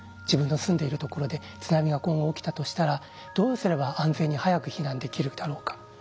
自分の住んでいるところで津波が今後起きたとしたらどうすれば安全に早く避難できるだろうか。